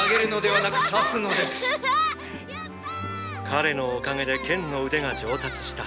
彼のおかげで剣の腕が上達した。